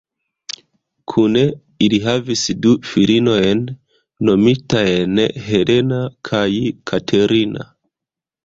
Kune ili havis du filinojn nomitajn Helena kaj Katerina.